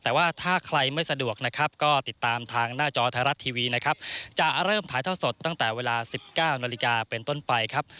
แต่ว่าถ้าใครไม่สะดวกนะครับก็ติดตามทางหน้าจอไทยรัฐทีวีนะครับจะเริ่มถ่ายท่อสดตั้งแต่เวลา๑๙นาฬิกาเป็นต้นไปครับ